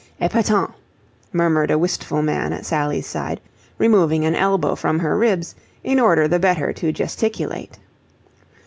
"Epatant!" murmured a wistful man at Sally's side, removing an elbow from her ribs in order the better to gesticulate.